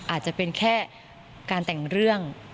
อาจจะเป็นแค่การแต่งเรื่อง